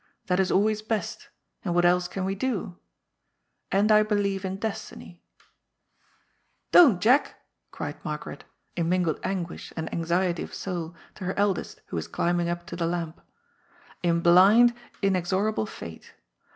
That is always best, and what else can we do ? And I believe in Destiny "—^ Don't, Jack !" cried Margaret, in mingled anguish and anxiety of soul, to her eldest, who was climbing up to the lamp —" in blind, in exorable Pate.